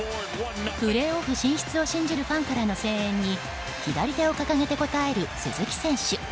プレーオフ進出を信じるファンからの声援に左手を掲げて応える鈴木選手。